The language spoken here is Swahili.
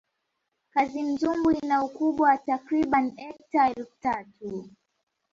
kazimzumbwi ina ukubwa wa takribani hekta elfu tatu